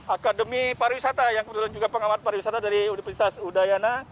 akademi para wisata yang kebetulan juga pengamat para wisata dari universitas udayana